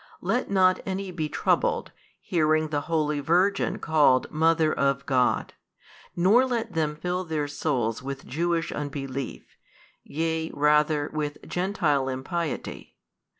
Let not any be troubled, hearing the holy Virgin called Mother of God, nor let them fill their souls with Jewish unbelief, yea rather with Gentile impiety.